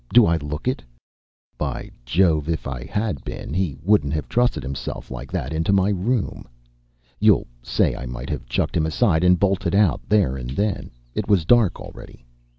Do I look it? By Jove! If I had been he wouldn't have trusted himself like that into my room. You'll say I might have chucked him aside and bolted out, there and then it was dark already.